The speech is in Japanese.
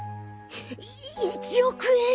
い１億円！？